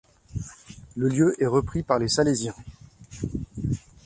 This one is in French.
Le lieu est repris par les Salésiens.